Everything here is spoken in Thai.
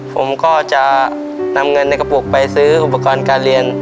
ผมก็จะนำเงินในกระปุกไปซื้ออุปกรณ์การเรียน